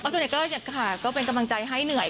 ส่วนใหญ่ก็เป็นกำลังใจให้เหนื่อย